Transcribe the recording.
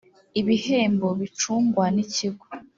ibihembo bicungwa n Ikigo